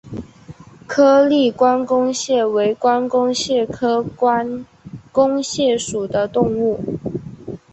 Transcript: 颗粒关公蟹为关公蟹科关公蟹属的动物。